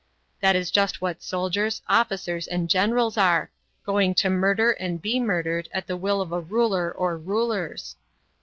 That is just what soldiers, officers, and generals are, going to murder and be murdered at the will of a ruler or rulers.